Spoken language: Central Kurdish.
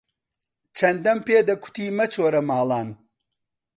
چەندەم پێ دەکوتی مەچۆرە ماڵان